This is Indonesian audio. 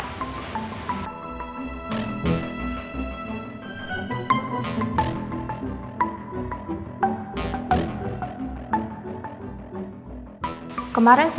saya simpan dulu nomornya